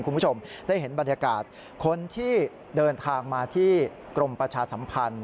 คุณผู้ชมได้เห็นบรรยากาศคนที่เดินทางมาที่กรมประชาสัมพันธ์